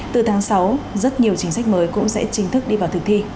từ tháng sáu rất nhiều chính sách mới cũng sẽ chính thức đi vào thực thi